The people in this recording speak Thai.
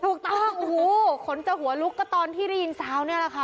ถูกต้องโอ้โหขนจะหัวลุกก็ตอนที่ได้ยินซาวนี่แหละค่ะ